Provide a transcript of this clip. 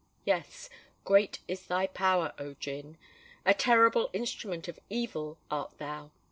Yes—great is thy power, O Gin: a terrible instrument of evil art thou.